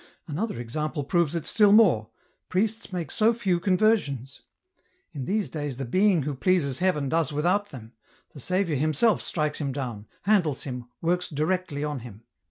Another example proves it still more, priests make so few conversions. In these days the being who pleases Heaven does without them, the Saviour Himself strikes him down, handles him, works directly on him.